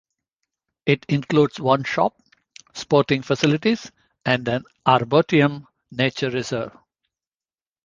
It includes one shop, sporting facilities and an arboretum nature reserve.